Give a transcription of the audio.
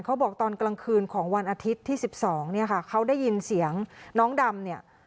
เขาบอกตอนกลางคืนของวันอาทิตย์ที่๑๒เนี่ยค่ะเขาได้ยินเสียงน้องดำเนี่ย